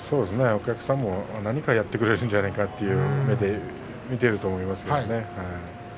お客さんも何かやってくれるんじゃないかという目で見ていると思いますね。